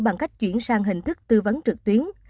bằng cách chuyển sang hình thức tư vấn trực tuyến